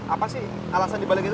apa sih alasan dibalik itu